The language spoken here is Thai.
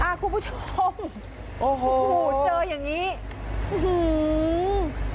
คุณผู้ชมโอ้โหเจออย่างงี้อื้อหือ